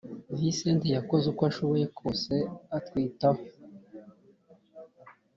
Visenti yakoze uko ashoboye kose atwitaho